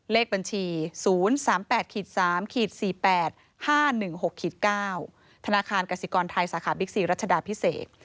เลขบัญชี๐๓๘๓๔๘๕๑๖๙ธนาคารกสิกรไทยสาขาบิ๊กซีรัชดาพิเศษ